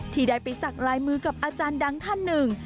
ที่ได้ไปสักลายมือกับอาจารย์ดังท่านหนึ่ง